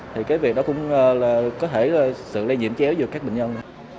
thì cái việc đó cũng có thể sự lây nhiễm chéo giữa các bệnh nhân